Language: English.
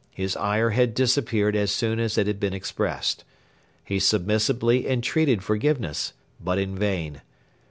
His ire had disappeared as soon as it had been expressed. He submissively entreated forgiveness; but in vain.